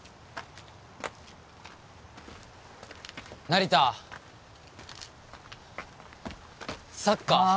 成田サッカーあ